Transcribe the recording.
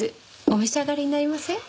お召し上がりになりません？